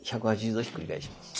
１８０度ひっくり返します。